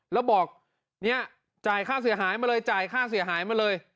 แล้วบอกเนี่ยจ่ายค่าเสียหายมาเลยจ่ายค่าเสียหายมาเลย